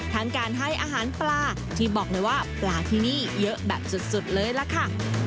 ทั้งการให้อาหารปลาที่บอกเลยว่าปลาที่นี่เยอะแบบสุดเลยล่ะค่ะ